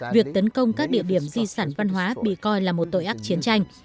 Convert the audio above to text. việc tấn công các địa điểm di sản văn hóa bị coi là một tội ác chiến tranh